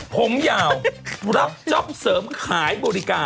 ผมยาวรับจ๊อปเสริมขายบริการ